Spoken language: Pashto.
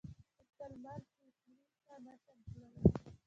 اوس د لمر ټیکلي ته نه شم کتلی.